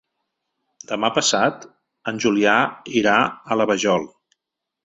Demà passat en Julià irà a la Vajol.